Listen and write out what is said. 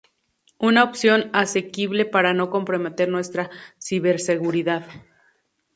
Una opción asequible para no comprometer nuestra ciberseguridad